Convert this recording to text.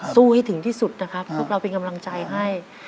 ให้ถึงที่สุดนะครับพวกเราเป็นกำลังใจให้